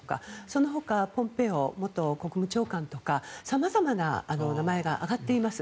そのほかポンペオ元国務長官とか様々な名前が挙がっています。